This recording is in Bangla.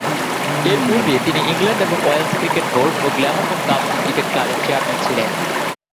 এরপূর্বে তিনি ইংল্যান্ড এবং ওয়েলস ক্রিকেট বোর্ড ও গ্ল্যামারগন কাউন্টি ক্রিকেট ক্লাবের চেয়ারম্যান ছিলেন।